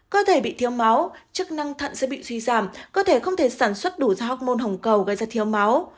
có thể bị thiếu máu chức năng thận sẽ bị suy giảm có thể không thể sản xuất đủ ra học môn hồng cầu gây ra thiếu máu